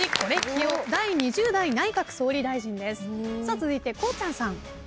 続いてこうちゃんさん。